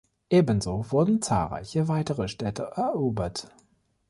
Ebenso wurden zahlreiche weitere Städte erobert.